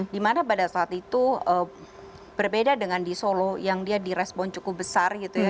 dimana pada saat itu berbeda dengan di solo yang dia direspon cukup besar gitu ya